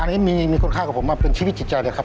อันนี้มีคุณค่ากับผมมาเป็นชีวิตจิตใจเลยครับ